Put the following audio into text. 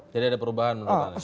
jadi ada perubahan menurut anda